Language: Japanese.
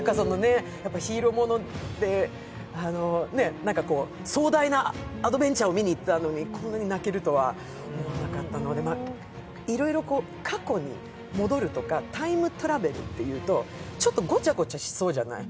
ヒーローものって壮大なアドベンチャーを見に行ってたのに、こんなに泣けるとは思わなかったので、いろいろ、過去に戻るとか、タイムトラベルっていうとちょっとごちゃごちゃしそうじゃない。